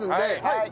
はい。